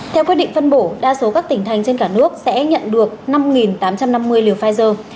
theo quyết định phân bổ đa số các tỉnh thành trên cả nước sẽ nhận được năm tám trăm năm mươi liều pfizer